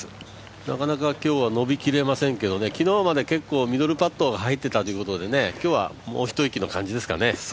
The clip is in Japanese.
なかなか今日は伸びきれませんけどね、昨日まで結構ミドルパットが入っていたということで、今日はもう一息の感じですかね？